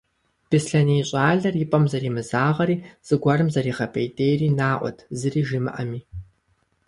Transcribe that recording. Беслъэней щӏалэр и пӀэм зэримызагъэри зыгуэрым зэригъэпӀейтейри наӀуэт, зыри жимыӀэми.